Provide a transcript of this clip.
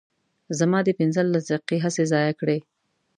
زما دې پنځلس دقیقې هسې ضایع کړې.